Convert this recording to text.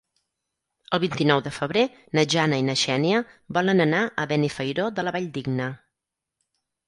El vint-i-nou de febrer na Jana i na Xènia volen anar a Benifairó de la Valldigna.